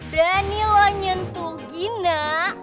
berani lo nyentuh gina